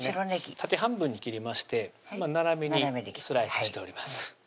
縦半分に切りまして斜めにスライスしております